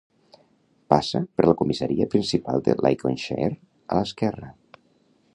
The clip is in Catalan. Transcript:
Passa per la comissaria principal de Lincolnshire a l"esquerra.